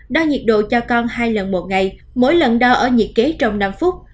đo nhiệt độ cho con hai lần một ngày mỗi lần đo ở nhiệt kế trong năm phút